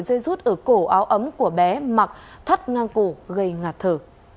dây rút ở cổ áo ấm của bé mặc thắt ngang cổ gây ngạt thở